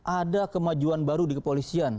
ada kemajuan baru di kepolisian